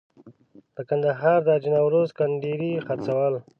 د کندهار د حاجي نوروز کنډیري خرڅول.